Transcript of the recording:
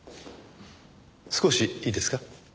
少しいいですか？